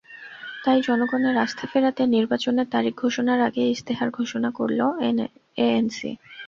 তাই জনগণের আস্থা ফেরাতে নির্বাচনের তারিখ ঘোষণার আগেই ইশতেহার ঘোষণা করল এএনসি।